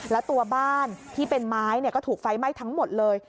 แล้วตัวบ้านที่เป็นไม้ก็ถูกไฟไหม้ทั้งหมดเลย